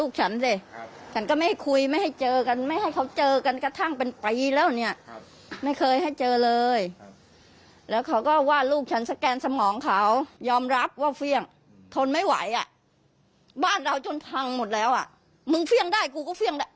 คนไม่ไหวอะบ้านเราจนพังหมดแล้วมึงเฟี่ยงได้กูก็เฟี่ยงได้